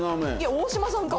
大島さんか。